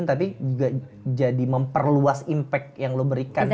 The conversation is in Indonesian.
tapi juga jadi memperluas impact yang lo berikan